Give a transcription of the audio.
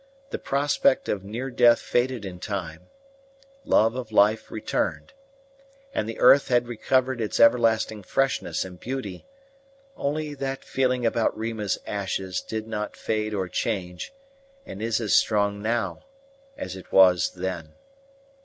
This prospect of near death faded in time; love of life returned, and the earth had recovered its everlasting freshness and beauty; only that feeling about Rima's ashes did not fade or change, and is as strong now as it was then.